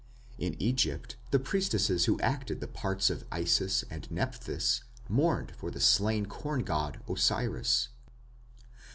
" In Egypt the priestesses who acted the parts of Isis and Nepthys, mourned for the slain corn god Osiris.